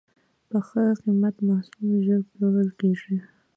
په ښه قیمت محصول ژر پلورل کېږي.